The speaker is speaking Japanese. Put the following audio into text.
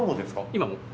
今も。